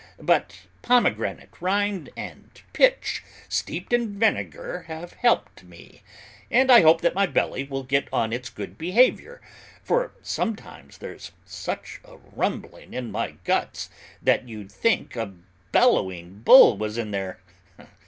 But pomegranate rind and pitch steeped in vinegar have helped me, and I hope that my belly will get on its good behavior, for sometimes there's such a rumbling in my guts that you'd think a bellowing bull was in there.